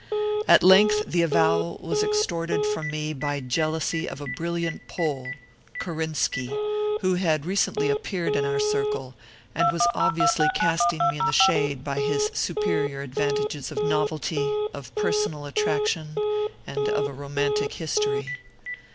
At length the avowal was extorted from me by jealousy of a brilliant Pole Korinski who had recently appeared in our circle, and was obviously casting me in the shade by his superior advantages of novelty, of personal attraction, and of a romantic history.